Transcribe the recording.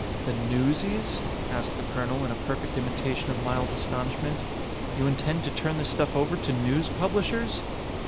"The newsies?" asked the colonel in a perfect imitation of mild astonishment. "You intend to turn this stuff over to news publishers?"